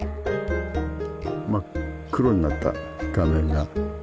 真っ黒になった画面が。